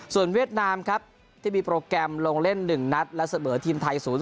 ส่วนเวียดนามครับที่มีโปรแกรมลงเล่น๑นัดและเสมอทีมไทย๐๒